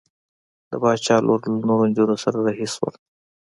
د باچا لور له نورو نجونو سره رهي شول.